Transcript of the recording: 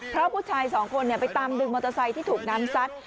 เพราะผู้ชายสองคนไปตามดึงมอเตอร์ไซค์ที่ถูกน้ำซัด